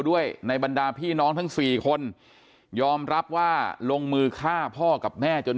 ด้วยในบรรดาพี่น้องทั้งสี่คนยอมรับว่าลงมือฆ่าพ่อกับแม่จน